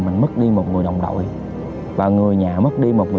khi nghe tin một người đồng đội của tôi ngửi xuống